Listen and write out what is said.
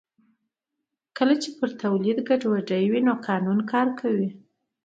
کله چې پر تولید ګډوډي وي نو قانون کار کوي